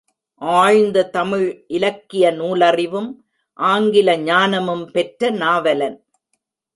ஆழ்ந்த தமிழ் இலக்கிய நூலறிவும், ஆங்கில ஞானமும் பெற்ற நாவலன்.